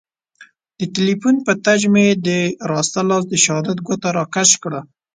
د تیلیفون په ټچ مې د راسته لاس د شهادت ګوته را کش کړه.